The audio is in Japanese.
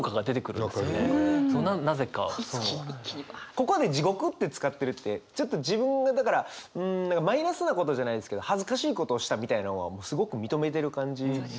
ここで「地獄」って使ってるってちょっと自分がだからうんマイナスなことじゃないですけど恥ずかしいことをしたみたいなのはすごく認めてる感じがありますよね。